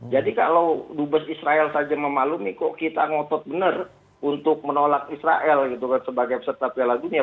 jadi kalau dubes israel saja memaklumi kok kita ngotot bener untuk menolak israel sebagai peserta piala dunia